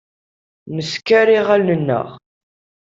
Nessader iɣallen-nneɣ.